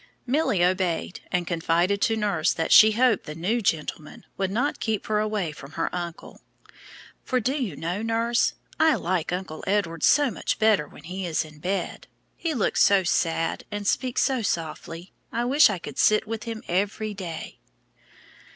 Milly obeyed, and confided to nurse that she hoped the "new gentleman" would not keep her away from her uncle. "For do you know, nurse, I like Uncle Edward so much better when he is in bed. He looks so sad, and speaks so softly. I wish I could sit with him every day."